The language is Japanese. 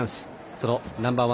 そのナンバー１